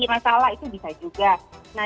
masalah itu bisa juga